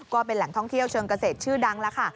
ก็เป็นแหล่งท่องเที่ยวเชิงเกษตรชื่อดังแล้วค่ะ